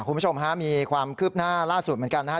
คุณผู้ชมฮะมีความคืบหน้าล่าสุดเหมือนกันนะครับ